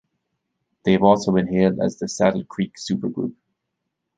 They have also been hailed as the "Saddle Creek supergroup".